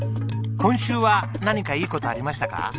今週は何かいい事ありましたか？